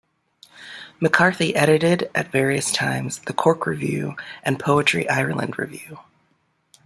McCarthy edited, at various times, The Cork Review and Poetry Ireland Review.